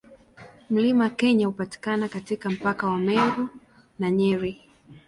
Mlima Kenya hupatikana katika mpaka wa Meru na Nyeri.